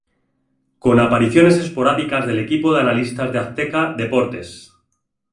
Con apariciones esporádicas del equipo de analistas de azteca deportes.